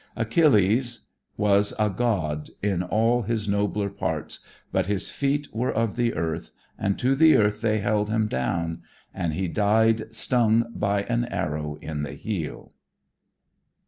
Achilles was a god in all his nobler parts, but his feet were of the earth and to the earth they held him down, and he died stung by an arrow in the heel.